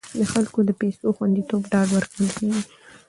د خلکو د پیسو د خوندیتوب ډاډ ورکول کیږي.